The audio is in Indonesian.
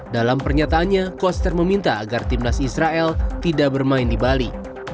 dalam pernyataannya koster meminta agar timnas israel tidak bermain di bali